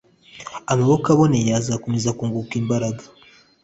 amaboko aboneye azakomeza kunguka imbaraga